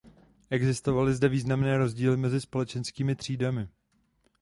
Existovaly zde významné rozdíly mezi společenskými třídami.